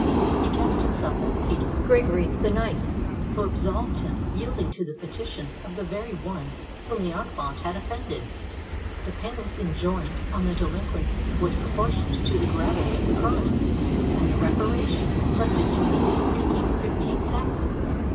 He cast himself at the feet of Gregory IX, who absolved him, yielding to the petitions of the very ones whom the infante had offended. The penance enjoined on the delinquent was proportioned to the gravity of the crimes, and the reparation such as, humanly speaking, could be exacted.